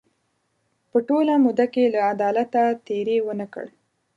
په ټوله موده کې له عدالته تېری ونه کړ.